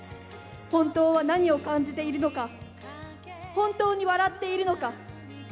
本当は何を感じているのか、本当に笑っているのか。